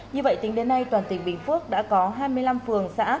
như vậy tính đến nay toàn tỉnh bình phước đã có hai mươi năm phường xã